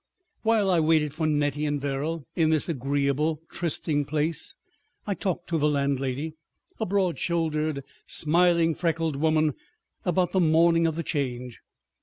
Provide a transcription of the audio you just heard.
While I waited for Nettie and Verrall in this agreeable trysting place, I talked to the landlady—a broad shouldered, smiling, freckled woman—about the morning of the Change.